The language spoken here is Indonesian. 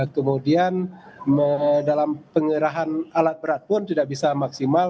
kemudian dalam pengerahan alat berat pun tidak bisa maksimal